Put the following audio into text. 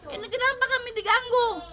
ini kenapa kami diganggu